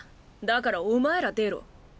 だからお前ら出ろ。